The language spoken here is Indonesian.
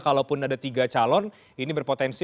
kalaupun ada tiga calon ini berpotensi